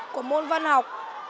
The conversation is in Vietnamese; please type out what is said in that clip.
của môn văn học